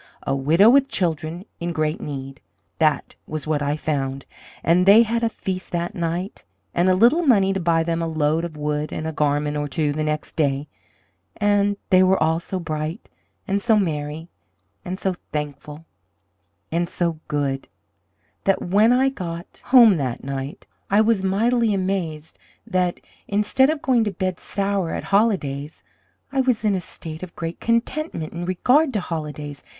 A widow with children in great need, that was what I found; and they had a feast that night, and a little money to buy them a load of wood and a garment or two the next day; and they were all so bright, and so merry, and so thankful, and so good, that, when I got home that night, I was mightily amazed that, instead of going to bed sour at holidays, I was in a state of great contentment in regard to holidays.